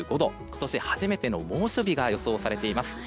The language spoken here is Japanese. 今年初めての猛暑日が予想されています。